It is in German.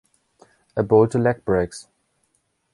Er bowlte Leg-Breaks.